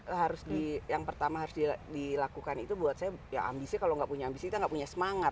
kerja itu yang pertama harus dilakukan itu buat saya ambisi kalau gak punya ambisi kita gak punya semangat